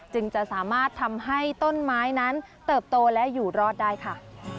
จึงจะสามารถทำให้ต้นไม้นั้นเติบโตและอยู่รอดได้ค่ะ